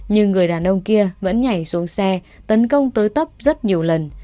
nhưng người đàn ông kia vẫn nhảy xuống xe tấn công tới tấp rất nhiều lần